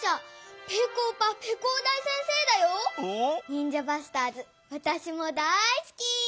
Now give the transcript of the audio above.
「ニンジャ・バスターズ」わたしもだいすき。